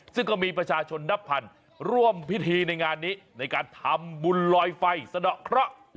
ซึ่งก็มีประชาชนนับพันร่วมพิธีในงานนี้ในการทำบุญลอยไฟสะดอกเคราะห์